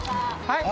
はい？